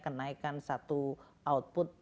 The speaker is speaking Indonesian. kenaikan satu output